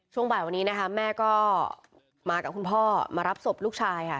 ช่วงบ่ายวันนี้นะคะแม่ก็มากับคุณพ่อมารับศพลูกชายค่ะ